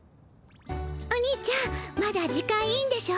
おにいちゃんまだ時間いいんでしょ？